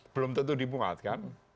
belum tentu dimuatkan